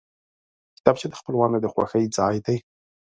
کتابچه د خپلوانو د خوښۍ ځای دی